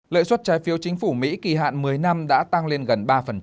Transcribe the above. lợi suất trái phiếu chính phủ mỹ kỳ hạn một mươi năm đã tăng lên gần ba